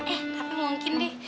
eh tapi mungkin deh